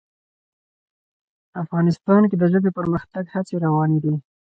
افغانستان کې د ژبې د پرمختګ هڅې روانې دي.